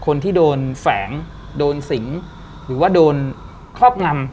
คนที่โดนแฝงโดนสิงหรือว่าโดนครอบงำ